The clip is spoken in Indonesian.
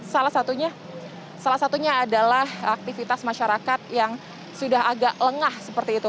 salah satunya adalah aktivitas masyarakat yang sudah agak lengah seperti itu